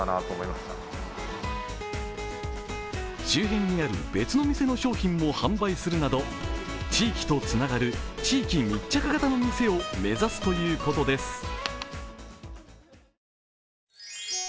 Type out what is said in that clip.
周辺にある別の店の商品も販売するなど地域とつながる地域密着型の店を目指すということです。